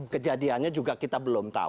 kejadiannya juga kita belum tahu